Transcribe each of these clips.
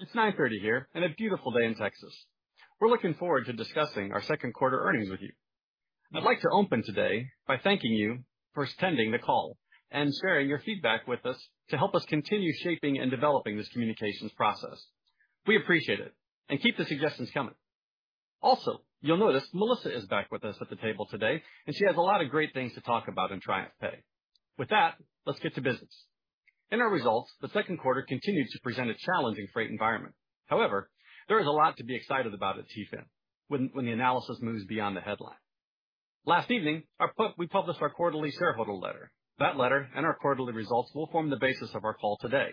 It's 9:30 here, and a beautiful day in Texas. We're looking forward to discussing our second quarter earnings with you. I'd like to open today by thanking you for attending the call and sharing your feedback with us to help us continue shaping and developing this communications process. We appreciate it, and keep the suggestions coming. Also, you'll notice Melissa is back with us at the table today, and she has a lot of great things to talk about in TriumphPay. With that, let's get to business. In our results, the second quarter continued to present a challenging freight environment. However, there is a lot to be excited about at TFIN when the analysis moves beyond the headline. Last evening, we published our quarterly shareholder letter. That letter and our quarterly results will form the basis of our call today.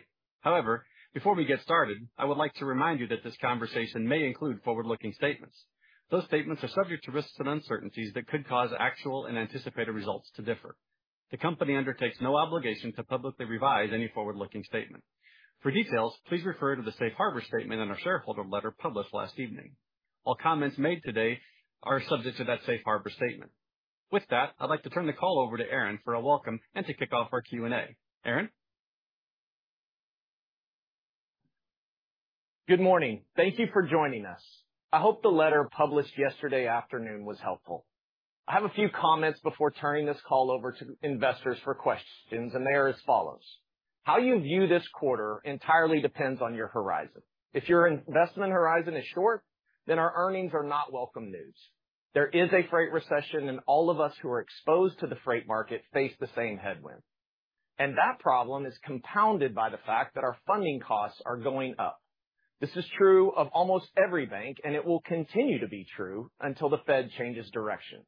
Before we get started, I would like to remind you that this conversation may include forward-looking statements. Those statements are subject to risks and uncertainties that could cause actual and anticipated results to differ. The company undertakes no obligation to publicly revise any forward-looking statement. For details, please refer to the safe harbor statement in our shareholder letter published last evening. All comments made today are subject to that safe harbor statement. With that, I'd like to turn the call over to Aaron for a welcome and to kick off our Q&A. Aaron? Good morning. Thank you for joining us. I hope the letter published yesterday afternoon was helpful. I have a few comments before turning this call over to investors for questions. They are as follows: How you view this quarter entirely depends on your horizon. If your investment horizon is short, our earnings are not welcome news. There is a freight recession. All of us who are exposed to the freight market face the same headwind. That problem is compounded by the fact that our funding costs are going up. This is true of almost every bank. It will continue to be true until the Fed changes direction.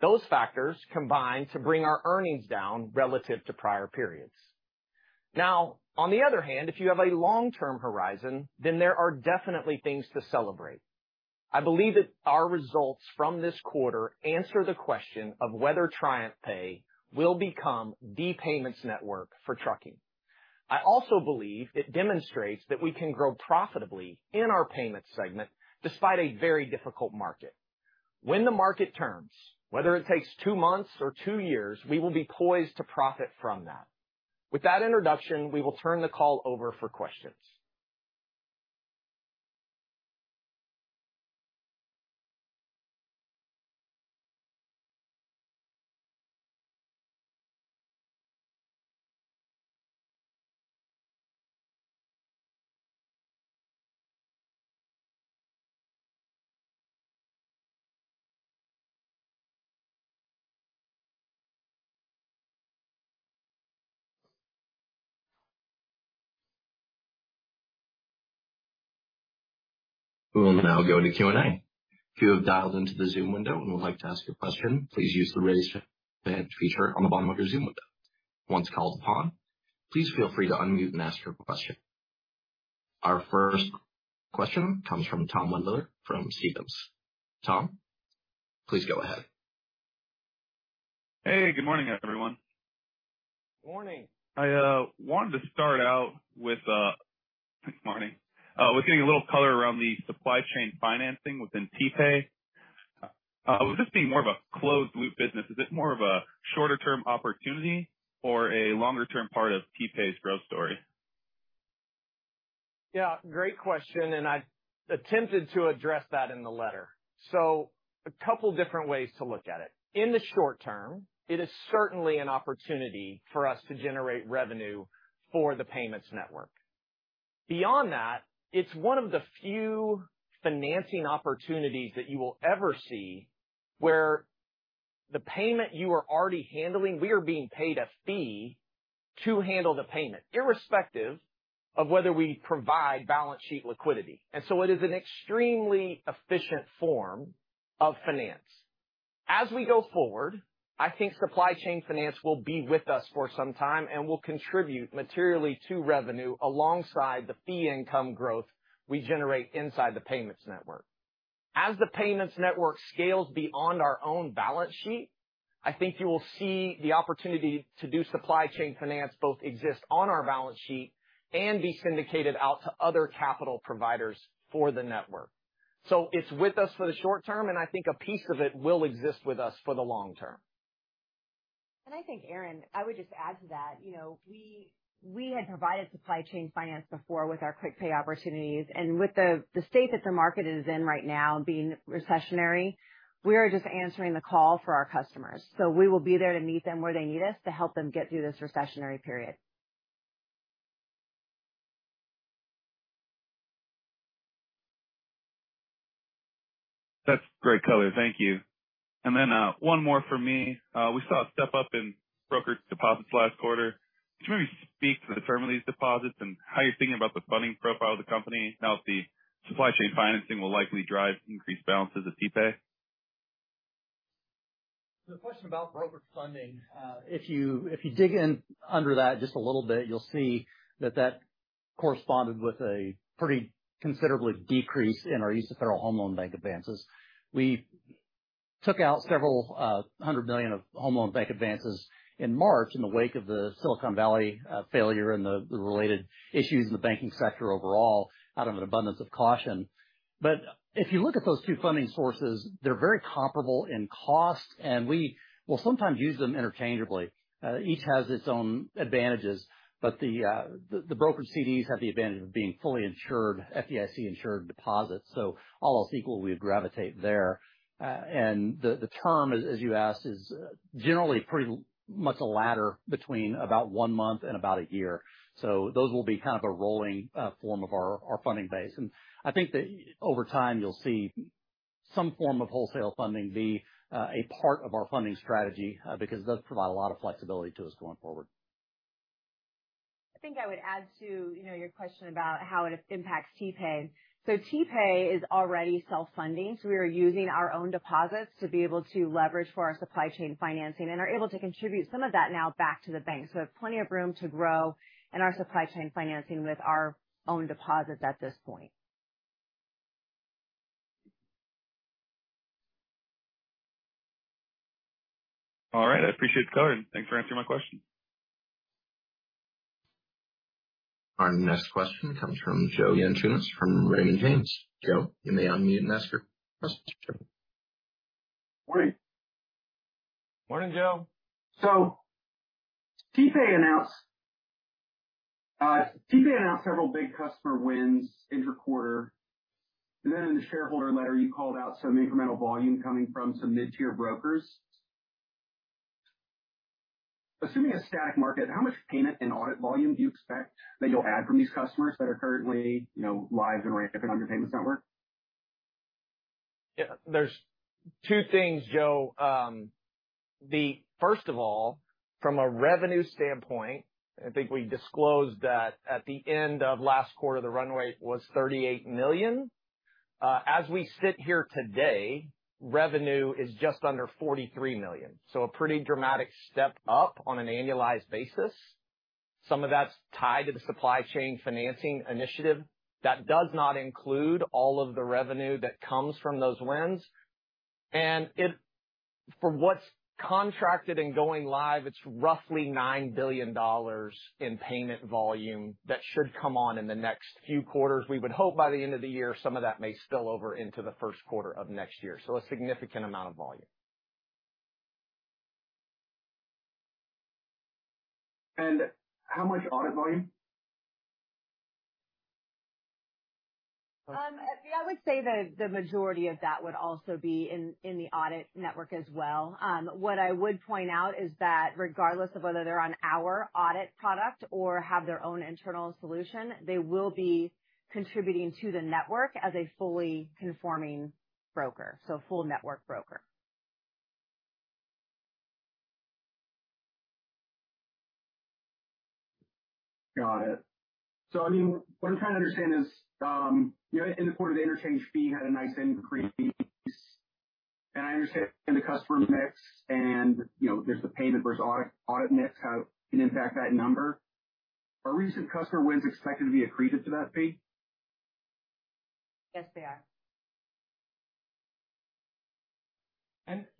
Those factors combine to bring our earnings down relative to prior periods. On the other hand, if you have a long-term horizon, there are definitely things to celebrate. I believe that our results from this quarter answer the question of whether TriumphPay will become the payments network for trucking. I also believe it demonstrates that we can grow profitably in our payments segment despite a very difficult market. When the market turns, whether it takes 2 months or 2 years, we will be poised to profit from that. With that introduction, we will turn the call over for questions. We will now go to Q&A. If you have dialed into the Zoom window and would like to ask a question, please use the raise your hand feature on the bottom of your Zoom window. Once called upon, please feel free to unmute and ask your question. Our first question comes from Tom Wendler from Stephens. Tom, please go ahead. Hey, good morning, everyone. Morning! I wanted to start out with good morning. With getting a little color around the supply chain financing within TPay, with this being more of a closed-loop business, is it more of a shorter-term opportunity or a longer-term part of TPay's growth story? Great question, I attempted to address that in the letter. A couple different ways to look at it. In the short term, it is certainly an opportunity for us to generate revenue for the payments network. Beyond that, it's one of the few financing opportunities that you will ever see where the payment you are already handling, we are being paid a fee to handle the payment, irrespective of whether we provide balance sheet liquidity. It is an extremely efficient form of finance. As we go forward, I think supply chain finance will be with us for some time and will contribute materially to revenue alongside the fee income growth we generate inside the payments network. As the payments network scales beyond our own balance sheet, I think you will see the opportunity to do supply chain finance both exist on our balance sheet and be syndicated out to other capital providers for the network. It's with us for the short term, and I think a piece of it will exist with us for the long term. I think, Aaron, I would just add to that, you know, we had provided supply chain finance before with our QuickPay opportunities. With the state that the market is in right now being recessionary, we are just answering the call for our customers. We will be there to meet them where they need us to help them get through this recessionary period. That's great color. Thank you. Then, one more from me. We saw a step-up in broker deposits last quarter. Can you maybe speak to the term of these deposits and how you're thinking about the funding profile of the company, and how the supply chain financing will likely drive increased balances at TPay? The question about broker funding, if you, if you dig in under that just a little bit, you'll see that that corresponded with a pretty considerably decrease in our Federal Home Loan Bank advances. We took out several hundred million of home loan bank advances in March, in the wake of the Silicon Valley failure and the related issues in the banking sector overall, out of an abundance of caution. If you look at those two funding sources, they're very comparable in cost, and we will sometimes use them interchangeably. Each has its own advantages, but the brokered CDs have the advantage of being fully insured, FDIC-insured deposits. All else equal, we would gravitate there. And the term, as you asked, is generally pretty much a ladder between about one month and about a year. Those will be kind of a rolling form of our funding base. I think that over time, you'll see some form of wholesale funding be a part of our funding strategy, because it does provide a lot of flexibility to us going forward. I think I would add to, you know, your question about how it impacts TPay. TPay is already self-funding, so we are using our own deposits to be able to leverage for our supply chain financing, and are able to contribute some of that now back to the bank. We have plenty of room to grow in our supply chain financing with our own deposits at this point. All right, I appreciate the color, and thanks for answering my question. Our next question comes from Joe Yanchunis from Raymond James. Joe, you may unmute and ask your question. Morning! Morning, Joe. TPay announced several big customer wins intra-quarter, and then in the shareholder letter, you called out some incremental volume coming from some mid-tier brokers. Assuming a static market, how much payment and audit volume do you expect that you'll add from these customers that are currently, you know, live and active on your payments network? Yeah, there's two things, Joe. First of all, from a revenue standpoint, I think we disclosed that at the end of last quarter, the runway was $38 million. As we sit here today, revenue is just under $43 million, a pretty dramatic step up on an annualized basis. Some of that's tied to the supply chain financing initiative. That does not include all of the revenue that comes from those wins. For what's contracted and going live, it's roughly $9 billion in payment volume that should come on in the next few quarters. We would hope by the end of the year, some of that may spill over into the first quarter of next year. A significant amount of volume. How much audit volume? I would say that the majority of that would also be in the audit network as well. What I would point out is that regardless of whether they're on our audit product or have their own internal solution, they will be contributing to the network as a fully conforming broker, so full network broker. Got it. I mean, what I'm trying to understand is, you know, in the quarter, the interchange fee had a nice increase, and I understand the customer mix and, you know, there's the payment versus audit mix, how can impact that number. Are recent customer wins expected to be accretive to that fee? Yes, they are.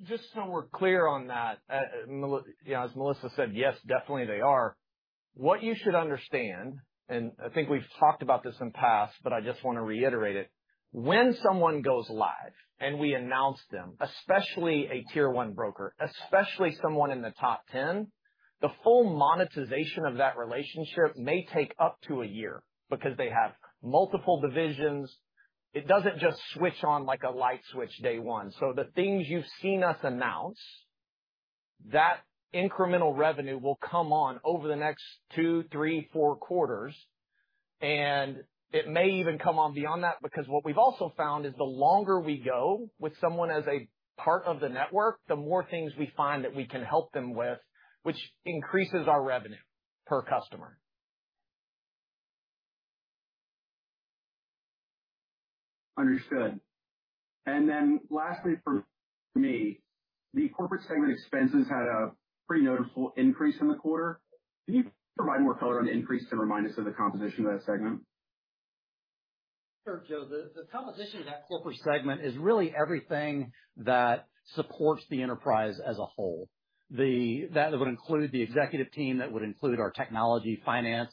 Just so we're clear on that, you know, as Melissa said, yes, definitely they are. What you should understand, and I think we've talked about this in the past, but I just want to reiterate it: When someone goes live and we announce them, especially a tier one broker, especially someone in the top 10, the full monetization of that relationship may take up to a year. They have multiple divisions, it doesn't just switch on like a light switch day one. The things you've seen us announce, that incremental revenue will come on over the next 2, 3, 4 quarters, and it may even come on beyond that, because what we've also found is the longer we go with someone as a part of the network, the more things we find that we can help them with, which increases our revenue per customer. Understood. Lastly, for me, the corporate segment expenses had a pretty noticeable increase in the quarter. Can you provide more color on the increase and remind us of the composition of that segment? Sure, Joe. The composition of that corporate segment is really everything that supports the enterprise as a whole. That would include the executive team, that would include our technology, finance,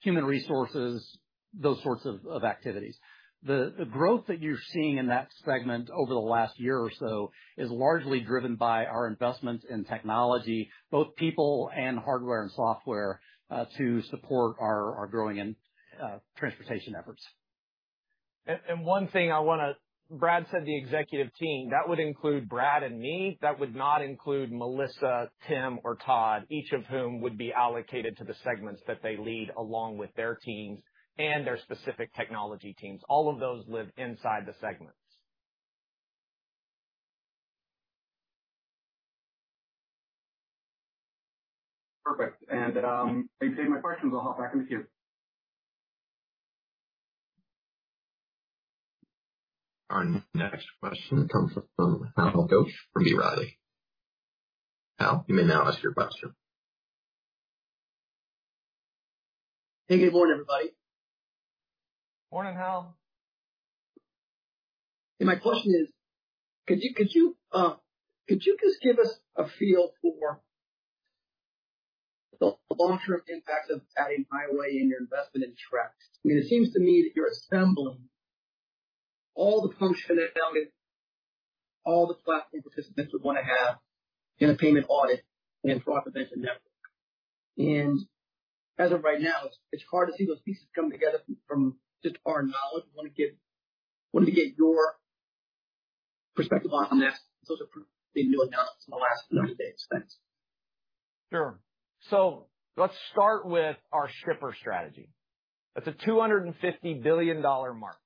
human resources, those sorts of activities. The growth that you're seeing in that segment over the last year or so is largely driven by our investments in technology, both people and hardware and software, to support our growing and transportation efforts. One thing Brad said, the executive team, that would include Brad and me, that would not include Melissa, Tim, or Todd, each of whom would be allocated to the segments that they lead, along with their teams and their specific technology teams. All of those live inside the segments. Perfect. I think my questions will hop back in the queue. Our next question comes from Hal Goetsch from B. Riley. Hal, you may now ask your question. Hey, good morning, everybody. Morning, Hal. My question is, could you just give us a feel for the long-term impact of adding Highway in your investment in Trax? I mean, it seems to me that you're assembling all the functionality, all the platform participants would want to have in a payment audit and fraud prevention network. As of right now, it's hard to see those pieces coming together from just our knowledge. I want to get your perspective on this, those are the new announcements in the last number of days, thanks. Sure. Let's start with our shipper strategy. That's a $250 billion market.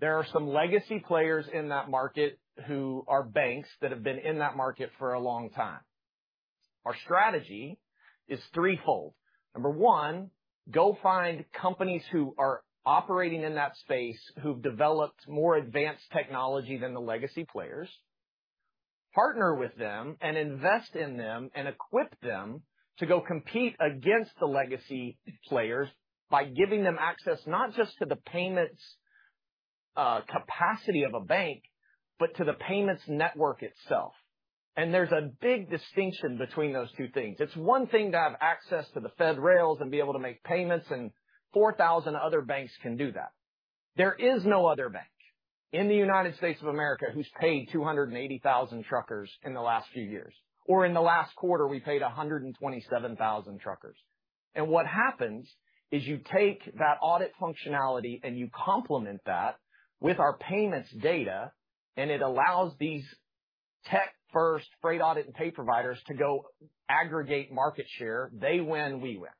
There are some legacy players in that market who are banks that have been in that market for a long time. Our strategy is threefold. Number one, go find companies who are operating in that space, who've developed more advanced technology than the legacy players, partner with them and invest in them, and equip them to go compete against the legacy players by giving them access, not just to the payments, capacity of a bank, but to the payments network itself. There's a big distinction between those two things. It's one thing to have access to the Fed rails and be able to make payments, and 4,000 other banks can do that. There is no other bank in the United States of America who's paid 280,000 truckers in the last few years, or in the last quarter, we paid 127,000 truckers. What happens is you take that audit functionality and you complement that with our payments data, and it allows these tech-first freight audit and pay providers to go aggregate market share. They win, we win.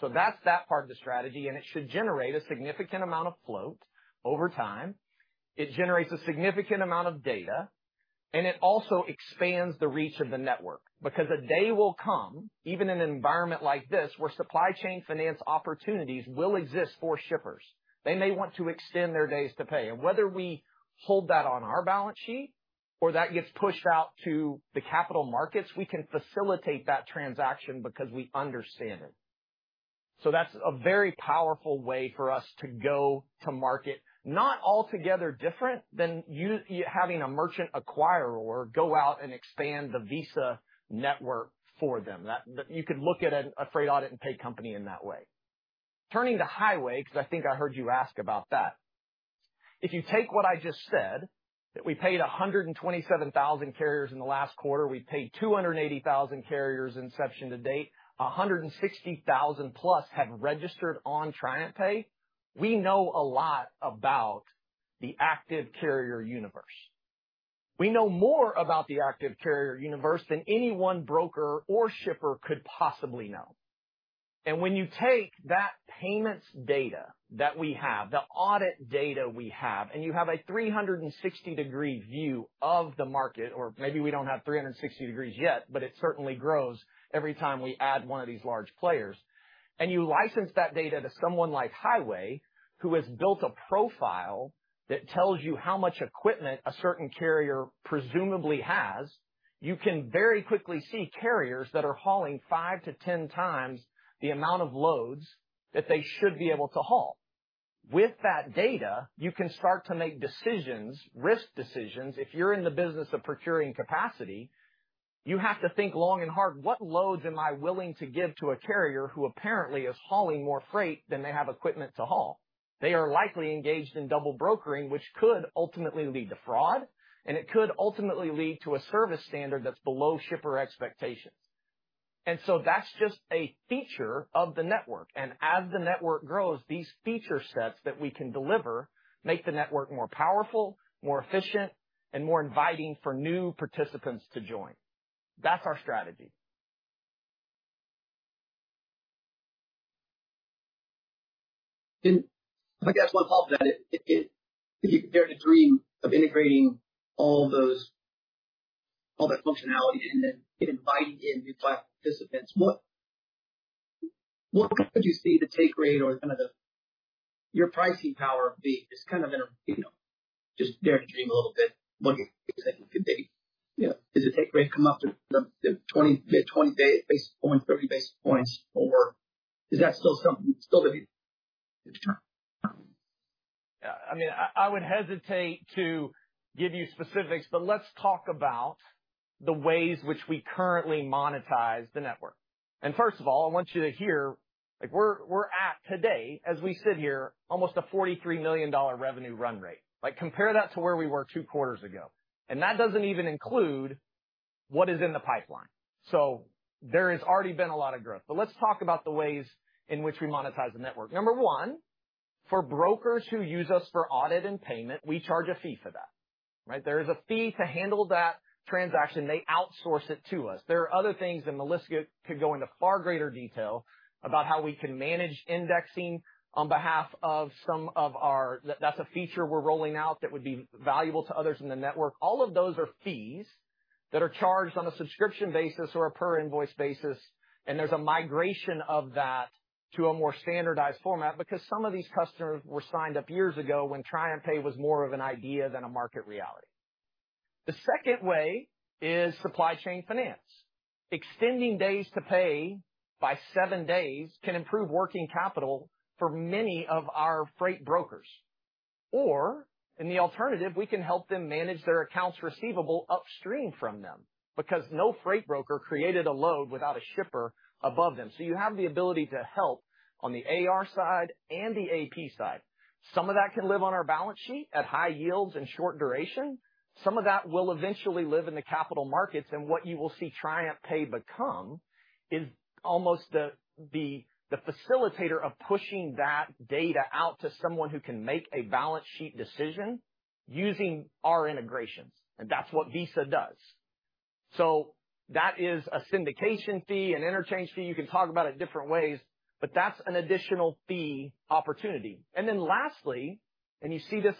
That's that part of the strategy, and it should generate a significant amount of float over time. It generates a significant amount of data, and it also expands the reach of the network, because a day will come, even in an environment like this, where supply chain finance opportunities will exist for shippers. They may want to extend their days to pay. Whether we hold that on our balance sheet or that gets pushed out to the capital markets, we can facilitate that transaction because we understand it. That's a very powerful way for us to go to market, not altogether different than having a merchant acquirer or go out and expand the Visa network for them. That you could look at a freight audit and pay company in that way. Turning to Highway, because I think I heard you ask about that. If you take what I just said, that we paid 127,000 carriers in the last quarter, we paid 280,000 carriers inception to date, 160,000+ have registered on TriumphPay. We know a lot about the active carrier universe. We know more about the active carrier universe than any one broker or shipper could possibly know. When you take that payments data that we have, the audit data we have, and you have a 360-degree view of the market, or maybe we don't have 360 degrees yet, but it certainly grows every time we add one of these large players. You license that data to someone like Highway, who has built a profile that tells you how much equipment a certain carrier presumably has, you can very quickly see carriers that are hauling 5x to 10x the amount of loads that they should be able to haul. With that data, you can start to make decisions, risk decisions. If you're in the business of procuring capacity, you have to think long and hard, "What loads am I willing to give to a carrier who apparently is hauling more freight than they have equipment to haul?" They are likely engaged in double brokering, which could ultimately lead to fraud, and it could ultimately lead to a service standard that's below shipper expectations. That's just a feature of the network, and as the network grows, these feature sets that we can deliver make the network more powerful, more efficient, and more inviting for new participants to join. That's our strategy. I guess one follow up to that, dare to dream of integrating all those, all that functionality and then inviting in new participants. What would you see the take rate or kind of the, your pricing power be? Just kind of in a, you know, just dare to dream a little bit, what you think it could be. You know, does the take rate come up to 20 basis points, 30 basis points, or is that still something still to be determined? I mean, I would hesitate to give you specifics, but let's talk about the ways which we currently monetize the network. First of all, I want you to hear, like we're at today, as we sit here, almost a $43 million revenue run rate. Like, compare that to where we were two quarters ago, and that doesn't even include what is in the pipeline. There has already been a lot of growth. Let's talk about the ways in which we monetize the network. Number one, for brokers who use us for audit and payment, we charge a fee for that, right? There is a fee to handle that transaction. They outsource it to us. There are other things. Melissa could go into far greater detail about how we can manage indexing on behalf of some of our. That's a feature we're rolling out that would be valuable to others in the network. All of those are fees that are charged on a subscription basis or a per invoice basis, and there's a migration of that to a more standardized format because some of these customers were signed up years ago when TriumphPay was more of an idea than a market reality. The second way is supply chain finance. Extending days to pay by 7 days can improve working capital for many of our freight brokers. In the alternative, we can help them manage their accounts receivable upstream from them, because no freight broker created a load without a shipper above them. You have the ability to help on the AR side and the AP side. Some of that can live on our balance sheet at high yields and short duration. Some of that will eventually live in the capital markets, and what you will see TriumphPay become is almost the facilitator of pushing that data out to someone who can make a balance sheet decision using our integrations. That's what Visa does. That is a syndication fee, an interchange fee. You can talk about it different ways, but that's an additional fee opportunity. Lastly, you see this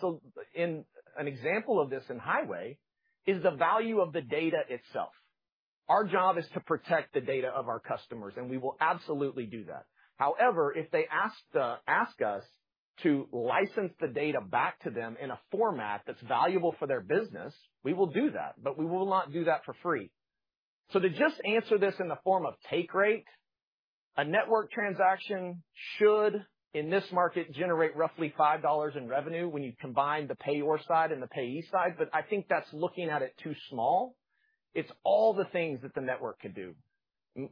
in an example of this in Highway, is the value of the data itself. Our job is to protect the data of our customers, and we will absolutely do that. However, if they ask us to license the data back to them in a format that's valuable for their business, we will do that, but we will not do that for free. To just answer this in the form of take rate, a network transaction should, in this market, generate roughly $5 in revenue when you combine the payer side and the payee side. I think that's looking at it too small. It's all the things that the network can do.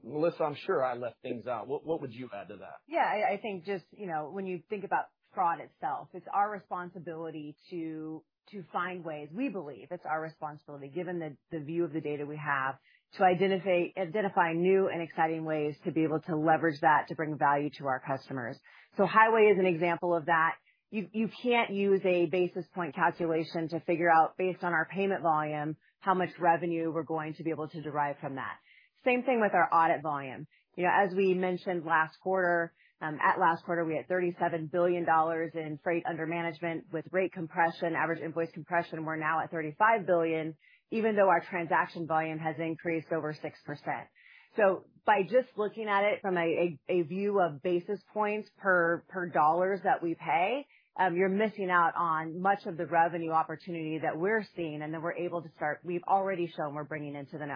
Melissa, I'm sure I left things out. What would you add to that? I think just, you know, when you think about fraud itself, it's our responsibility to find ways. We believe it's our responsibility, given the view of the data we have, to identify new and exciting ways to be able to leverage that, to bring value to our customers. Highway is an example of that. You can't use a basis point calculation to figure out, based on our payment volume, how much revenue we're going to be able to derive from that. Same thing with our audit volume. You know, as we mentioned last quarter, we had $37 billion in freight under management. With rate compression, average invoice compression, we're now at $35 billion, even though our transaction volume has increased over 6%. By just looking at it from a view of basis points per dollars that we pay, you're missing out on much of the revenue opportunity that we're seeing and that we're able to. We've already shown we're bringing into the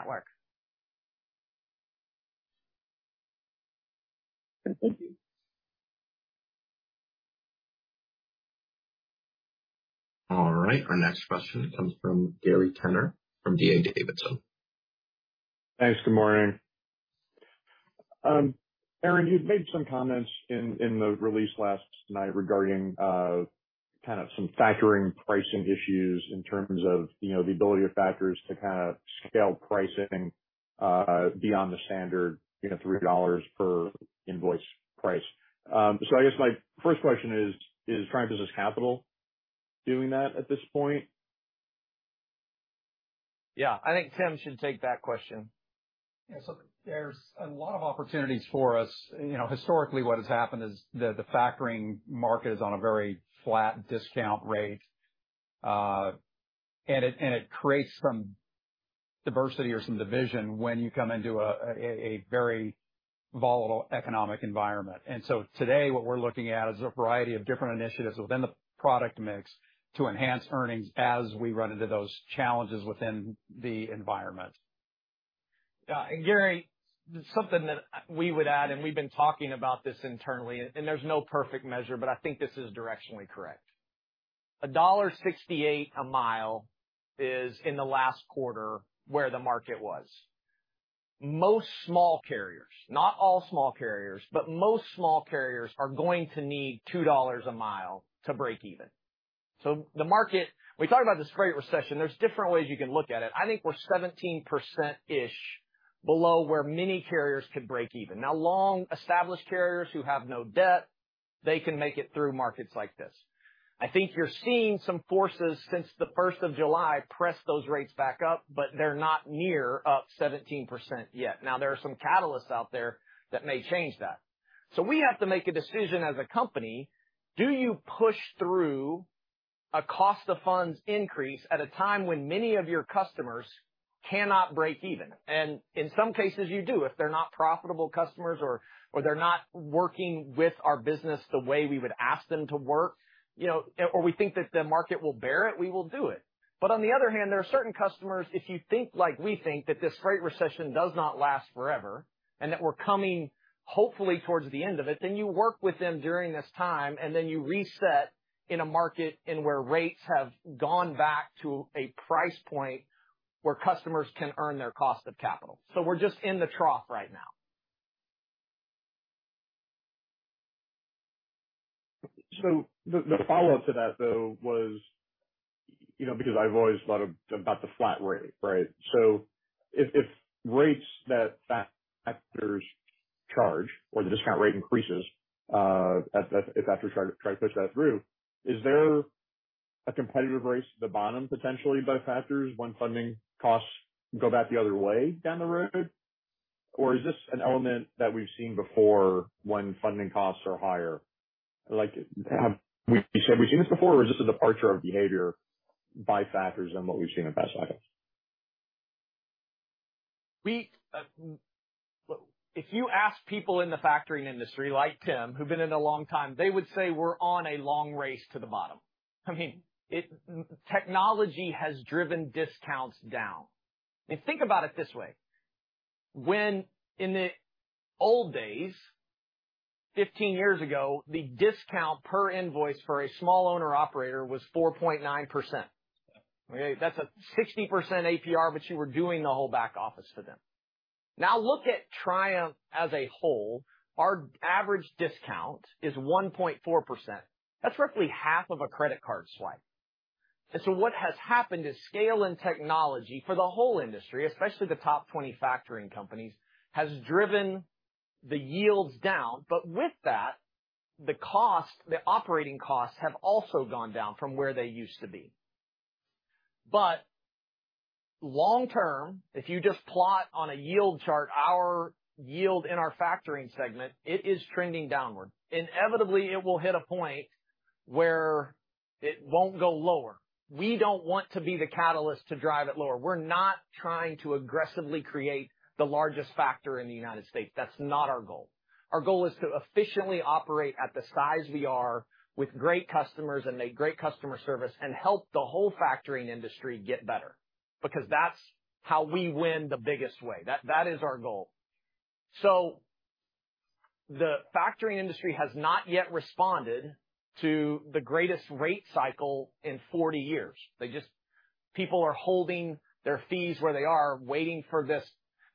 network. Thank you. All right. Our next question comes from Gary Tenner, from D.A. Davidson. Thanks. Good morning. Aaron, you've made some comments in the release last night regarding kind of some factoring pricing issues in terms of, you know, the ability of factors to kind of scale pricing beyond the standard, you know, $3 per invoice price. I guess my first question is Triumph Business Capital doing that at this point? I think Tim should take that question. Yeah. There's a lot of opportunities for us. You know historically, what has happened is the factoring market is on a very flat discount rate, and it creates some diversity or some division when you come into a very volatile economic environment. Today, what we're looking at is a variety of different initiatives within the product mix to enhance earnings as we run into those challenges within the environment. Gary, something that we would add, we've been talking about this internally, there's no perfect measure, but I think this is directionally correct. $1.68 a mile is, in the last quarter, where the market was. Most small carriers, not all small carriers, but most small carriers are going to need $2 a mile to break even. The market, we talk about this freight recession, there's different ways you can look at it. I think we're 17%-ish below where many carriers could break even. Now, long-established carriers who have no debt, they can make it through markets like this. I think you're seeing some forces since the 1st of July, press those rates back up, they're not near up 17% yet. Now, there are some catalysts out there that may change that. We have to make a decision as a company, do you push through a cost of funds increase at a time when many of your customers cannot break even? In some cases, you do. If they're not profitable customers or they're not working with our business the way we would ask them to work, you know, or we think that the market will bear it, we will do it. On the other hand, there are certain customers, if you think like we think, that this freight recession does not last forever, and that we're coming hopefully towards the end of it, then you work with them during this time, and then you reset in a market in where rates have gone back to a price point where customers can earn their cost of capital. We're just in the trough right now. The follow-up to that, though, was, you know, because I've always thought about the flat rate, right? If rates that factors charge or the discount rate increases, if factors try to push that through, is there a competitive race to the bottom potentially by factors when funding costs go back the other way down the road? Is this an element that we've seen before when funding costs are higher? Like, have we seen this before, or is this a departure of behavior by factors than what we've seen in past cycles? We, if you ask people in the factoring industry like Tim, who've been in a long time, they would say, we're on a long race to the bottom. I mean, technology has driven discounts down. I mean, think about it this way: when in the old days, 15 years ago, the discount per invoice for a small owner operator was 4.9%. Okay? That's a 60% APR, but you were doing the whole back office for them. Now, look at Triumph as a whole. Our average discount is 1.4%. That's roughly half of a credit card swipe. What has happened is scale and technology for the whole industry, especially the top 20 factoring companies, has driven the yields down, but with that, the cost, the operating costs, have also gone down from where they used to be. Long term, if you just plot on a yield chart, our yield in our factoring segment, it is trending downward. Inevitably, it will hit a point where it won't go lower. We don't want to be the catalyst to drive it lower. We're not trying to aggressively create the largest factor in the United States. That's not our goal. Our goal is to efficiently operate at the size we are, with great customers and a great customer service, and help the whole factoring industry get better, because that's how we win the biggest way. That is our goal. The factoring industry has not yet responded to the greatest rate cycle in 40 years. People are holding their fees where they are, waiting for this,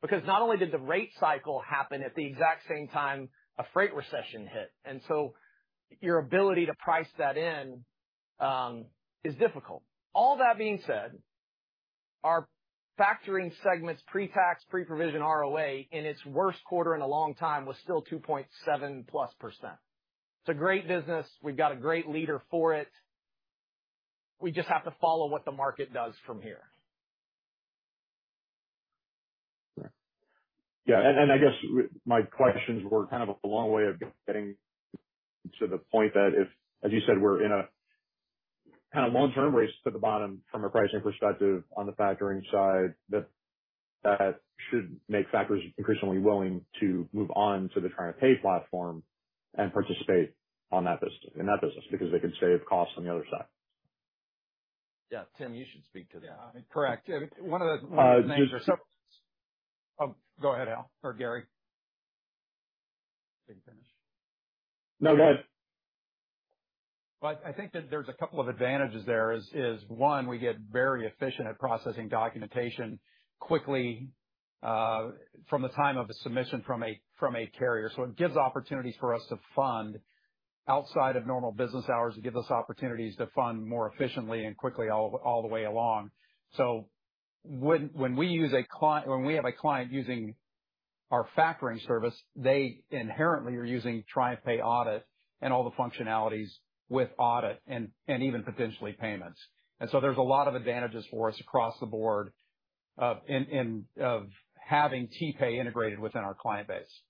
because not only did the rate cycle happen at the exact same time a freight recession hit, your ability to price that in is difficult. All that being said, our factoring segment's pre-tax, pre-provision ROA, in its worst quarter in a long time, was still 2.7%+. It's a great business. We've got a great leader for it. We just have to follow what the market does from here. I guess my questions were kind of a long way of getting to the point that if, as you said, we're in a kind of long-term race to the bottom from a pricing perspective on the factoring side, that should make factors increasingly willing to move on to the TriumphPay platform and participate on that business, in that business, because they can save costs on the other side. Yeah, Tim, you should speak to that. Yeah. Correct. Oh, go ahead, Hal or Gary. Did he finish? No, go ahead. I think that there's a couple of advantages there, one, we get very efficient at processing documentation quickly from the time of a submission from a carrier. It gives opportunities for us to fund outside of normal business hours. It gives us opportunities to fund more efficiently and quickly all the way along. When we have a client using our factoring service, they inherently are using TriumphPay Audit and all the functionalities with Audit and even potentially payments. There's a lot of advantages for us across the board of having TriumphPay integrated within our client base.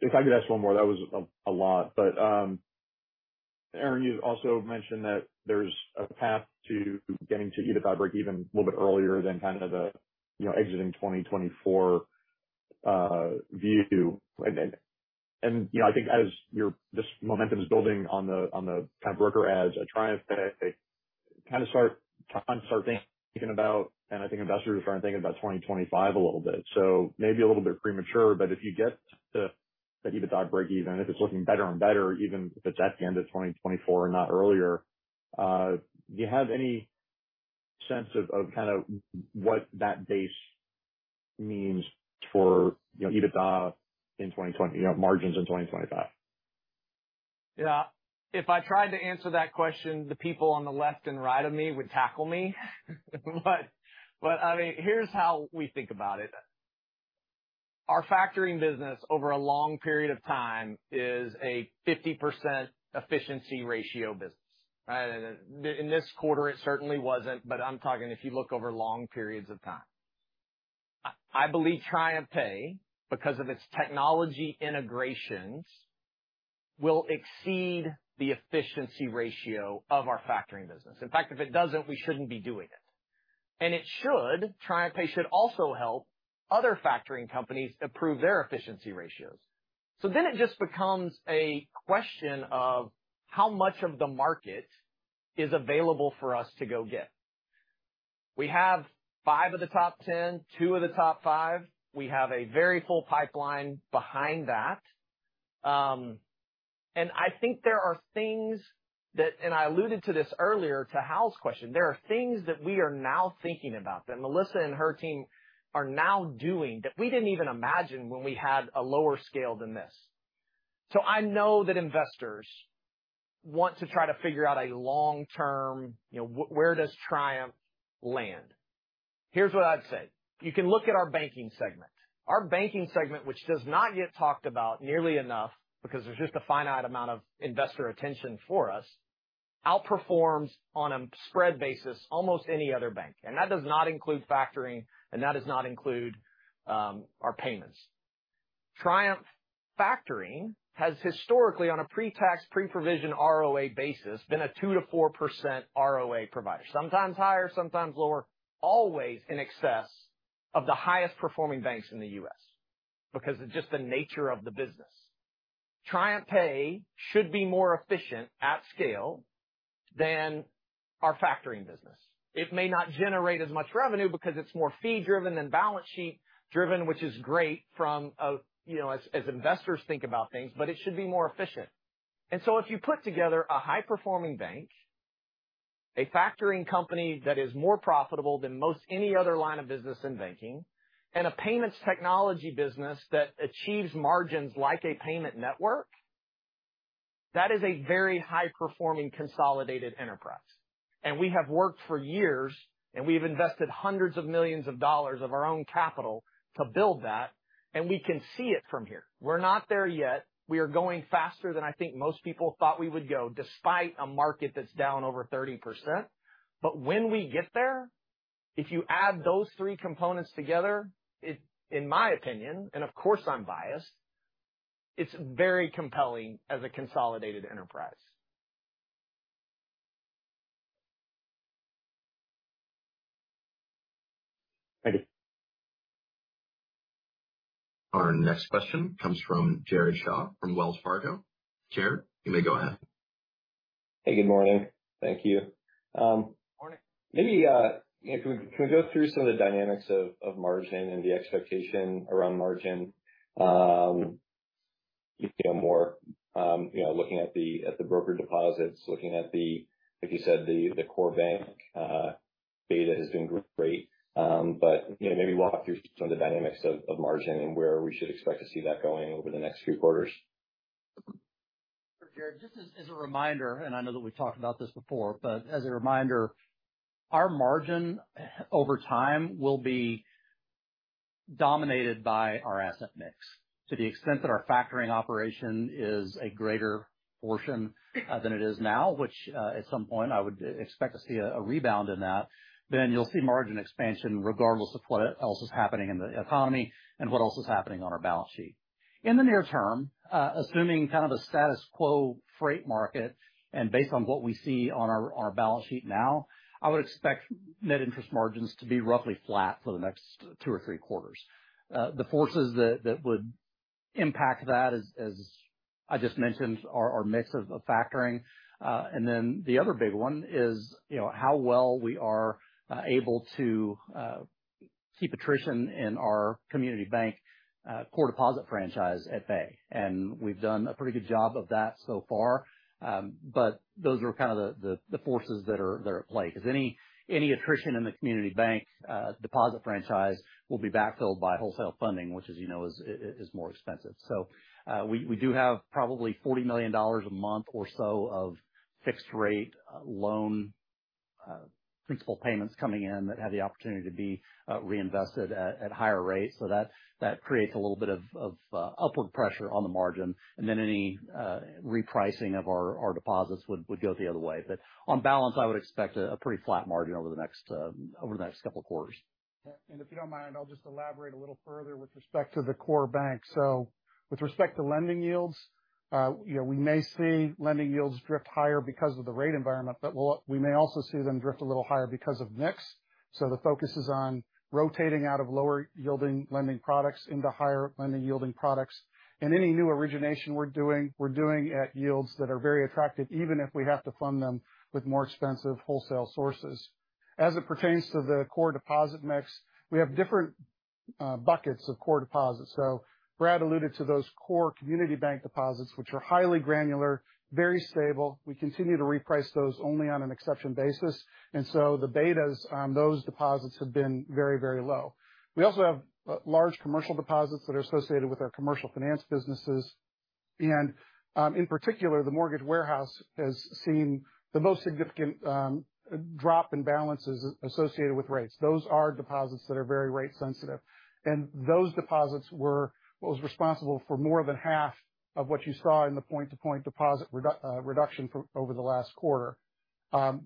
If I could ask one more, that was a lot. Aaron, you've also mentioned that there's a path to getting to EBITDA breakeven a little bit earlier than kind of the, you know, exiting 2024 view. I think as this momentum is building on the kind of broker ads at TriumphPay, trying to start thinking about, and I think investors are starting thinking about 2025 a little bit. Maybe a little bit premature, but if you get to the EBITDA breakeven, if it's looking better and better, even if it's at the end of 2024 or not earlier, do you have any sense of kind of what that base means for, you know, EBITDA in, you know, margins in 2025? Yeah. If I tried to answer that question, the people on the left and right of me would tackle me. I mean, here's how we think about it. Our factoring business, over a long period of time, is a 50% efficiency ratio business, right? In this quarter, it certainly wasn't, but I'm talking if you look over long periods of time. I believe TriumphPay, because of its technology integrations, will exceed the efficiency ratio of our factoring business. In fact, if it doesn't, we shouldn't be doing it. TriumphPay should also help other factoring companies improve their efficiency ratios. It just becomes a question of how much of the market is available for us to go get. We have 5 of the top 10, 2 of the top 5. We have a very full pipeline behind that. I think there are things that. I alluded to this earlier to Hal's question, there are things that we are now thinking about, that Melissa and her team are now doing, that we didn't even imagine when we had a lower scale than this. I know that investors want to try to figure out a long-term, you know, where does Triumph land? Here's what I'd say. You can look at our banking segment. Our banking segment, which does not get talked about nearly enough because there's just a finite amount of investor attention for us, outperforms on a spread basis almost any other bank. That does not include factoring, and that does not include our payments. Triumph Factoring has historically, on a pre-tax, pre-provision ROA basis, been a 2%-4% ROA provider, sometimes higher, sometimes lower, always in excess of the highest performing banks in the U.S. because it's just the nature of the business. TriumphPay should be more efficient at scale than our factoring business. It may not generate as much revenue because it's more fee-driven than balance sheet-driven, which is great from a, you know, as investors think about things, it should be more efficient. If you put together a high-performing bank, a factoring company that is more profitable than most any other line of business in banking, and a payments technology business that achieves margins like a payment network, that is a very high-performing consolidated enterprise. We have worked for years, and we've invested hundreds of millions of dollars of our own capital to build that, and we can see it from here. We're not there yet. We are going faster than I think most people thought we would go, despite a market that's down over 30%. When we get there, if you add those three components together, it, in my opinion, and of course, I'm biased, it's very compelling as a consolidated enterprise. Thank you. Our next question comes from Jared Shaw from Wells Fargo. Jared, you may go ahead. Hey, good morning. Thank you. Morning. Maybe, can we go through some of the dynamics of margin and the expectation around margin? You know, more, you know, looking at the broker deposits, looking at the, like you said, the core bank data has been great. You know, maybe walk through some of the dynamics of margin and where we should expect to see that going over the next few quarters. Sure, Jared. Just as a reminder, and I know that we've talked about this before, but as a reminder, our margin over time will be dominated by our asset mix. To the extent that our factoring operation is a greater portion than it is now, which at some point I would expect to see a rebound in that, then you'll see margin expansion regardless of what else is happening in the economy and what else is happening on our balance sheet. In the near term, assuming kind of a status quo freight market and based on what we see on our balance sheet now, I would expect net interest margins to be roughly flat for the next two or three quarters. The forces that would impact that, as I just mentioned, are mix of factoring. Then the other big one is, you know, how well we are able to keep attrition in our community bank core deposit franchise at bay. We've done a pretty good job of that so far. Those are kind of the forces that are at play, because any attrition in the community bank deposit franchise will be backfilled by wholesale funding, which, as you know, is more expensive. We do have probably $40 million a month or so of fixed rate loan principal payments coming in that have the opportunity to be reinvested at higher rates. That creates a little bit of upward pressure on the margin, and then any repricing of our deposits would go the other way. On balance, I would expect a pretty flat margin over the next couple of quarters. If you don't mind, I'll just elaborate a little further with respect to the core bank. With respect to lending yields, you know, we may see lending yields drift higher because of the rate environment, but we may also see them drift a little higher because of mix. The focus is on rotating out of lower yielding lending products into higher lending yielding products. Any new origination we're doing, we're doing at yields that are very attractive, even if we have to fund them with more expensive wholesale sources. As it pertains to the core deposit mix, we have different buckets of core deposits. Brad alluded to those core community bank deposits, which are highly granular, very stable. We continue to reprice those only on an exception basis, the betas on those deposits have been very, very low. We also have large commercial deposits that are associated with our commercial finance businesses, in particular, the mortgage warehouse has seen the most significant drop in balances associated with rates. Those are deposits that are very rate sensitive, and those deposits were what was responsible for more than half of what you saw in the point-to-point deposit reduction over the last quarter.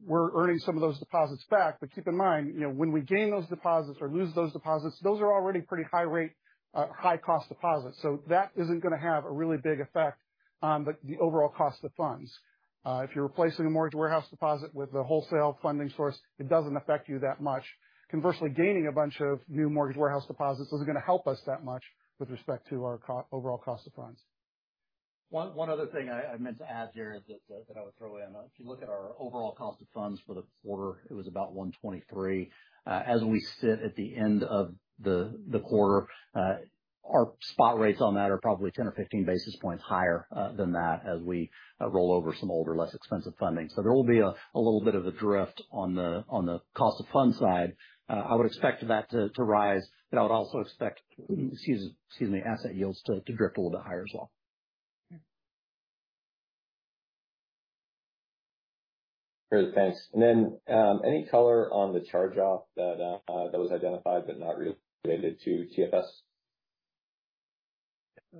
We're earning some of those deposits back, but keep in mind, you know, when we gain those deposits or lose those deposits, those are already pretty high rate, high-cost deposits. That isn't going to have a really big effect on the overall cost of funds. If you're replacing a mortgage warehouse deposit with a wholesale funding source, it doesn't affect you that much. Conversely, gaining a bunch of new mortgage warehouse deposits isn't going to help us that much with respect to our overall cost of funds. One other thing I meant to add, Jared, that I would throw in. If you look at our overall cost of funds for the quarter, it was about 123. As we sit at the end of the quarter, our spot rates on that are probably 10 or 15 basis points higher than that as we roll over some older, less expensive funding. There will be a little bit of a drift on the cost of funds side. I would expect that to rise, but I would also expect, excuse me, asset yields to drift a little bit higher as well. Great. Thanks. Any color on the charge-off that was identified but not related to TFS?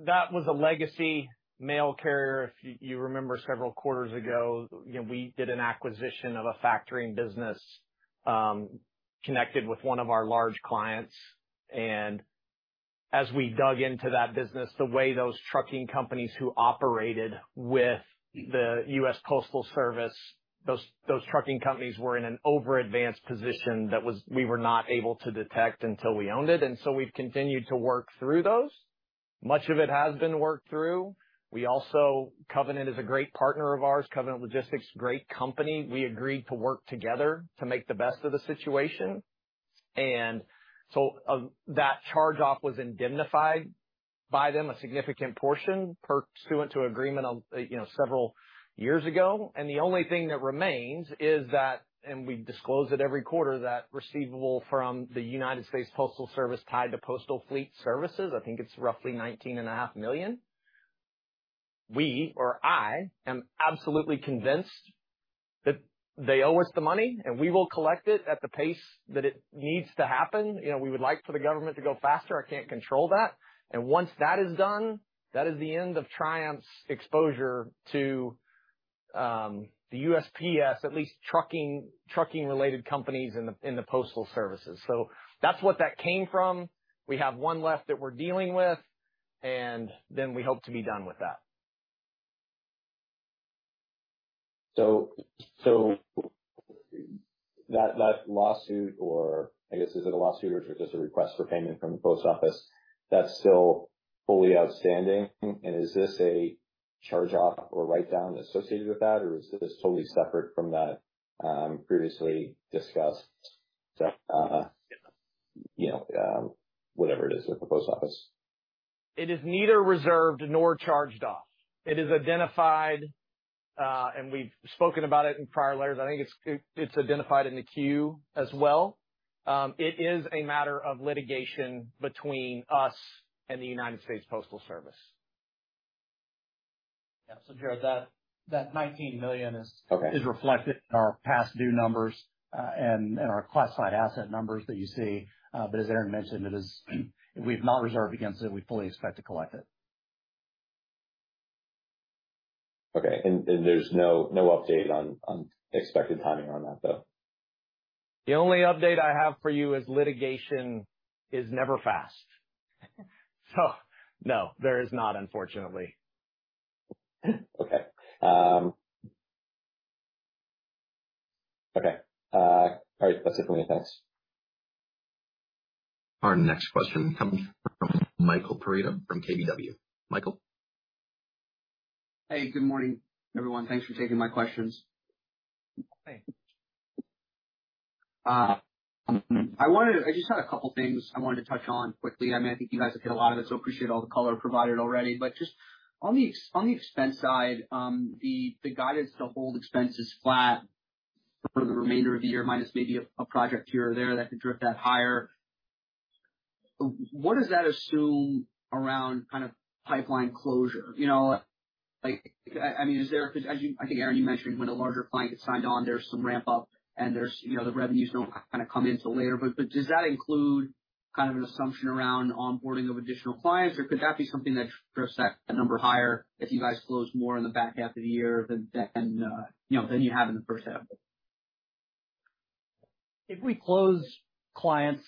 That was a legacy mail carrier. If you remember several quarters ago, you know, we did an acquisition of a factoring business, connected with one of our large clients. As we dug into that business, the way those trucking companies who operated with the US Postal Service, those trucking companies were in an over-advanced position that was we were not able to detect until we owned it. We've continued to work through those. Much of it has been worked through. We also, Covenant is a great partner of ours, Covenant Logistics, great company. We agreed to work together to make the best of the situation. Of that charge-off was indemnified by them, a significant portion, pursuant to agreement on, you know, several years ago. The only thing that remains is that, we disclose it every quarter, that receivable from the United States Postal Service tied to Postal Fleet Services, I think it's roughly $19.5 million. I am absolutely convinced that they owe us the money, and we will collect it at the pace that it needs to happen. You know, we would like for the government to go faster. I can't control that. Once that is done, that is the end of Triumph's exposure to the USPS, at least trucking-related companies in the postal services. That's what that came from. We have one left that we're dealing with, then we hope to be done with that. That lawsuit, or I guess, is it a lawsuit or just a request for payment from the Post Office that's still fully outstanding? Is this a charge-off or write-down associated with that, or is this totally separate from that, previously discussed? you know, whatever it is with the Post Office. It is neither reserved nor charged off. It is identified. We've spoken about it in prior letters. I think it's identified in the Q as well. It is a matter of litigation between us and the United States Postal Service. Yeah. Jared, that $19 million. Okay. - is reflected in our past due numbers, and our classified asset numbers that you see. As Aaron mentioned, We've not reserved against it. We fully expect to collect it. Okay. there's no update on expected timing on that, though? The only update I have for you is litigation is never fast. no, there is not, unfortunately. Okay. Okay. All right. That's it for me. Thanks. Our next question comes from Michael Perito from KBW. Michael? Hey, good morning, everyone. Thanks for taking my questions. Hey. I just had 2 things I wanted to touch on quickly. I mean, I think you guys hit a lot of it, so appreciate all the color provided already. But just on the expense side, the guidance to hold expenses flat for the remainder of the year, minus maybe 1 project here or there, that could drift that higher. What does that assume around kind of pipeline closure? You know, like, I mean, is there, as I think, Aaron, you mentioned when a larger client gets signed on, there's some ramp up, and there's, you know, the revenues don't kind of come in till later. Does that include kind of an assumption around onboarding of additional clients, or could that be something that drives that number higher as you guys close more in the back half of the year than, you know, than you have in the first half? If we close clients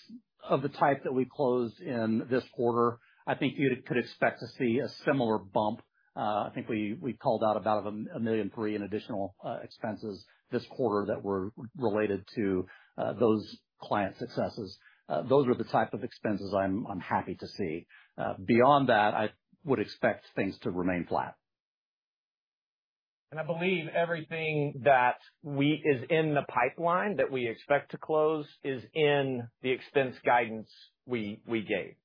of the type that we closed in this quarter, I think you could expect to see a similar bump. I think we called out about $1.3 million in additional expenses this quarter that were related to those client successes. Those are the type of expenses I'm happy to see. Beyond that, I would expect things to remain flat. I believe everything that is in the pipeline that we expect to close is in the expense guidance we gave.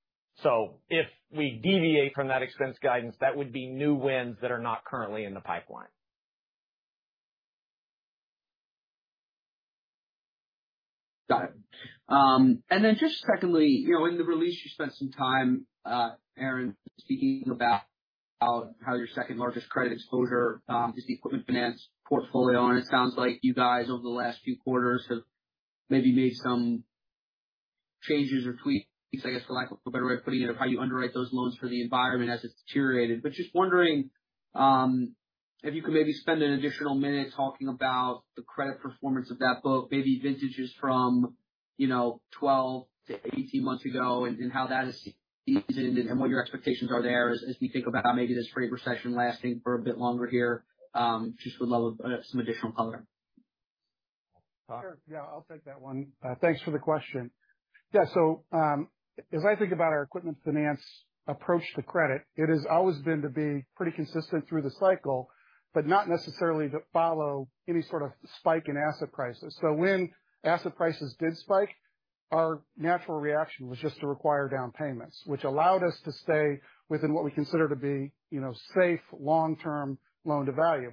If we deviate from that expense guidance, that would be new wins that are not currently in the pipeline. Got it. Just secondly, you know, in the release, you spent some time, Aaron, speaking about how your second-largest credit exposure, is the equipment finance portfolio, and it sounds like you guys, over the last few quarters, have maybe made some changes or tweaks, I guess, for lack of a better way of putting it, of how you underwrite those loans for the environment as it's deteriorated. Just wondering, if you could maybe spend an additional minute talking about the credit performance of that book, maybe vintages from, you know, 12-18 months ago, and how that has seasoned and what your expectations are there as we think about maybe this freight recession lasting for a bit longer here? Just would love some additional color. Sure. Yeah, I'll take that one. Thanks for the question. Yeah, so, as I think about our equipment finance approach to credit, it has always been to be pretty consistent through the cycle, but not necessarily to follow any sort of spike in asset prices. When asset prices did spike, our natural reaction was just to require down payments, which allowed us to stay within what we consider to be, you know, safe, long-term loan-to-value.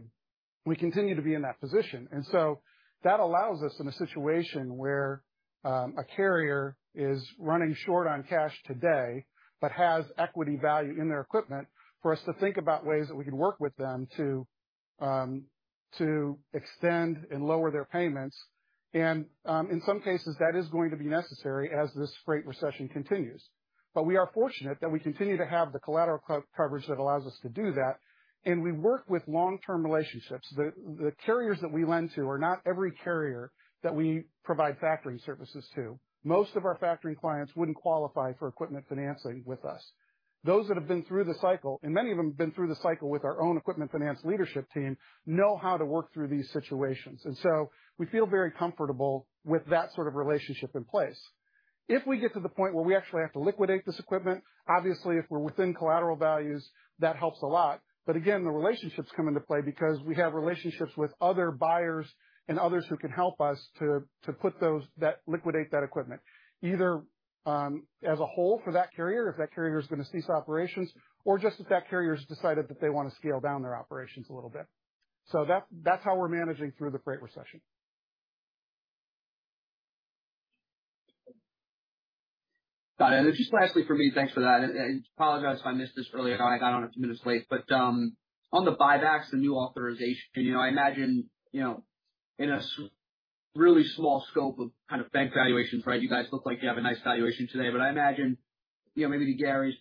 We continue to be in that position, and so that allows us, in a situation where a carrier is running short on cash today, but has equity value in their equipment, for us to think about ways that we can work with them to extend and lower their payments. In some cases, that is going to be necessary as this freight recession continues. We are fortunate that we continue to have the collateral co- coverage that allows us to do that, and we work with long-term relationships. The carriers that we lend to are not every carrier that we provide factoring services to. Most of our factoring clients wouldn't qualify for equipment financing with us. Those that have been through the cycle, and many of them have been through the cycle with our own equipment finance leadership team, know how to work through these situations, and so we feel very comfortable with that sort of relationship in place. If we get to the point where we actually have to liquidate this equipment, obviously, if we're within collateral values, that helps a lot. Again, the relationships come into play because we have relationships with other buyers and others who can help us to liquidate that equipment, either as a whole for that carrier, if that carrier is going to cease operations or just if that carrier's decided that they want to scale down their operations a little bit. That, that's how we're managing through the freight recession. Got it. Just lastly for me, thanks for that, and I apologize if I missed this earlier on. I got on a few minutes late, but on the buybacks, the new authorization, you know, I imagine, you know, in a really small scope of kind of bank valuations, right? You guys look like you have a nice valuation today, but I imagine, you know, maybe to Gary's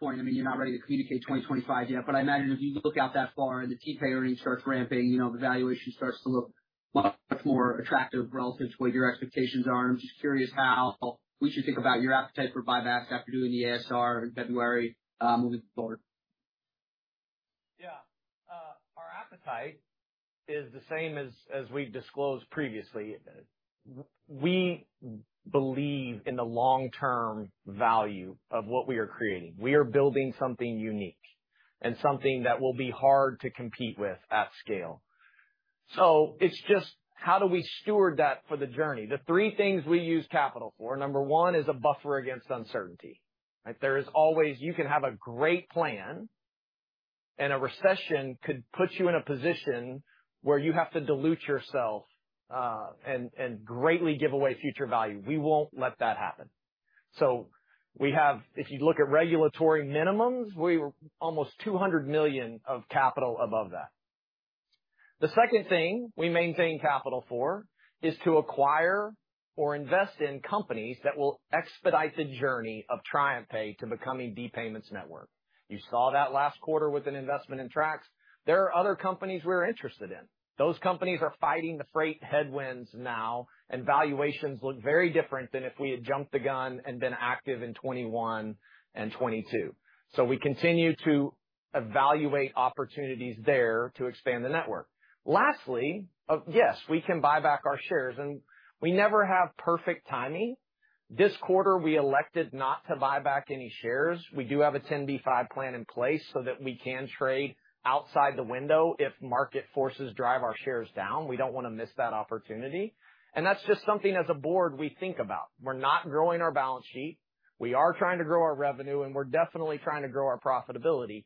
point, I mean, you're not ready to communicate 2025 yet, but I imagine if you look out that far and the TPay earning starts ramping, you know, the valuation starts to look much more attractive relative to what your expectations are. I'm just curious how we should think about your appetite for buybacks after doing the ASR in February, moving forward? Yeah. Our appetite is the same as we've disclosed previously. We believe in the long-term value of what we are creating. We are building something unique and something that will be hard to compete with at scale. It's just how do we steward that for the journey? The three things we use capital for, number one, is a buffer against uncertainty, right? There is always. You can have a great plan, and a recession could put you in a position where you have to dilute yourself, and greatly give away future value. We won't let that happen. We have, if you look at regulatory minimums, we were almost $200 million of capital above that. The second thing we maintain capital for is to acquire or invest in companies that will expedite the journey of TriumphPay to becoming the payments network. You saw that last quarter with an investment in Trax. There are other companies we're interested in. Those companies are fighting the freight headwinds now, valuations look very different than if we had jumped the gun and been active in 2021 and 2022. We continue to evaluate opportunities there to expand the network. Lastly, yes, we can buy back our shares, we never have perfect timing. This quarter, we elected not to buy back any shares. We do have a 10b5-1 plan in place so that we can trade outside the window if market forces drive our shares down. We don't want to miss that opportunity. That's just something as a board, we think about. We're not growing our balance sheet. We are trying to grow our revenue, we're definitely trying to grow our profitability.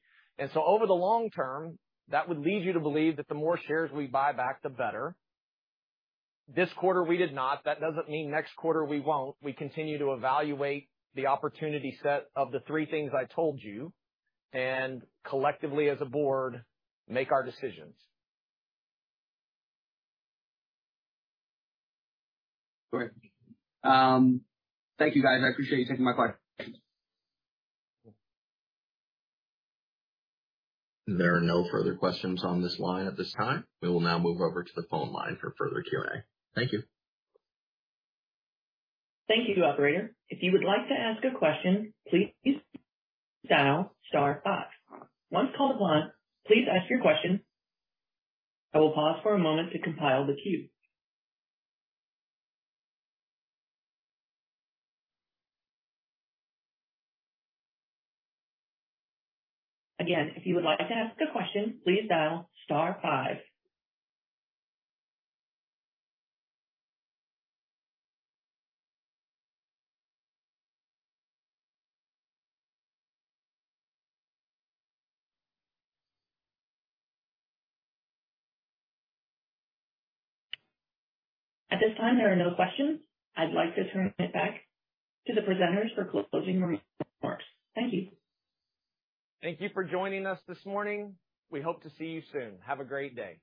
Over the long term, that would lead you to believe that the more shares we buy back, the better. This quarter, we did not. That doesn't mean next quarter we won't. We continue to evaluate the opportunity set of the 3 things I told you, and collectively as a board, make our decisions. Great. Thank you, guys. I appreciate you taking my call. There are no further questions on this line at this time. We will now move over to the phone line for further Q&A. Thank you. Thank you, Operator. If you would like to ask a question, please dial star five. Once called upon, please ask your question. I will pause for a moment to compile the queue. Again, if you would like to ask a question, please dial star five. At this time, there are no questions. I'd like to turn it back to the presenters for closing remarks. Thank you. Thank you for joining us this morning. We hope to see you soon. Have a great day.